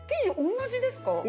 同じです。